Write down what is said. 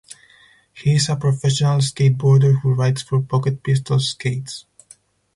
He is a professional skateboarder who rides for Pocket Pistols Skates.